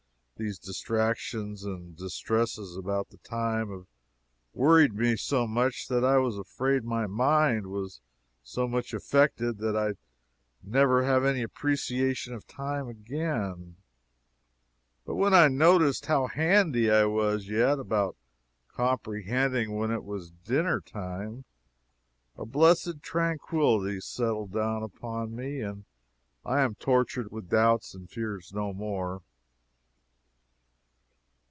These distractions and distresses about the time have worried me so much that I was afraid my mind was so much affected that I never would have any appreciation of time again; but when I noticed how handy I was yet about comprehending when it was dinner time, a blessed tranquillity settled down upon me, and I am tortured with doubts and fears no more.